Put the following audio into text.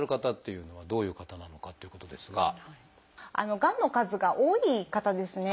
がんの数が多い方ですね。